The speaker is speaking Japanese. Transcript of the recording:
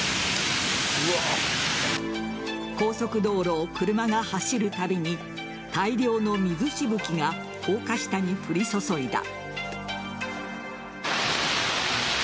高速道路を車が走るたびに大量の水しぶきが高架下に降り注いだ。